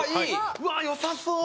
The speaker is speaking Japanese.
うわっ良さそう！